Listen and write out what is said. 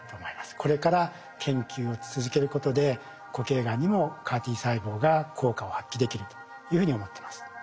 これから研究を続けることで固形がんにもＣＡＲ−Ｔ細胞が効果を発揮できるというふうに思ってます。